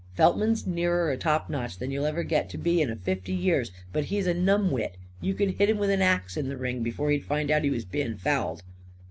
"Feltman's nearer a top notcher than ever you'll get to be in fifty years, but he's a numbwit. You could hit him with an axe in the ring, before he'd find out he was being fouled.